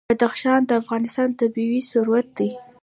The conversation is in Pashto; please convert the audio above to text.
بدخشان د افغانستان طبعي ثروت دی.